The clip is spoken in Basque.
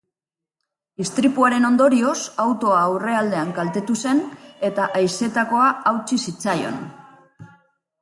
Istripuaren ondorioz, autoa aurrealdean kaltetu zen eta haizetakoa hautsi zitzaion.